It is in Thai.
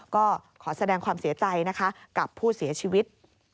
ก็ขอแสดงความเสียใจนะคะกับผู้เสียชีวิต